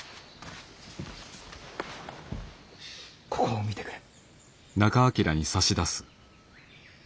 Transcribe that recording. ここを見てくれ。